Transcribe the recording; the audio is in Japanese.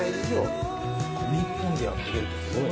この一本でやってけるってすごい。